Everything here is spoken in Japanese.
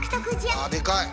ああでかい！